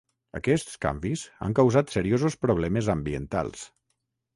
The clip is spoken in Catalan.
Aquests canvis han causat seriosos problemes ambientals.